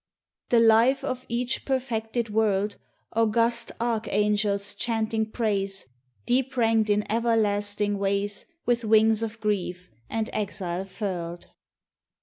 The life of each perfected world August archangels chanting praise, Deep ranked in everlasting ways, With wings of grief and exile furled.